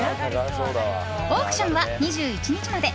オークションは２１日まで。